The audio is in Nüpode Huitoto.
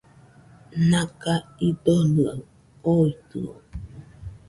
Naga idonɨaɨ oitɨo